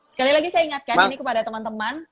sekali lagi saya ingatkan ini kepada teman teman